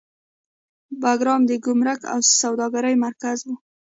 بګرام د ګمرک او سوداګرۍ مرکز و